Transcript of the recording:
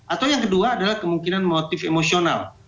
atau yang kedua adalah kemungkinan motif emosional